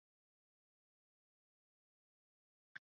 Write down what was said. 他也代表意大利国家男子排球队参赛。